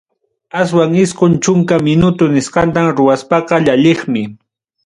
Aswan isqun chunka minuto nisqanta ruwaspaqa, llalliqmi.